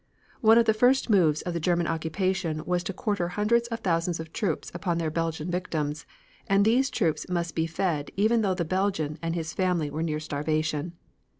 One of the first moves of the German occupation was to quarter hundreds of thousands of troops upon their Belgian victims, and these troops must be fed even though the Belgian and his family were near starvation.